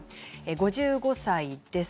５５歳です。